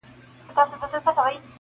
او د ښکار ورڅخه ورک سو ژوندی مړی -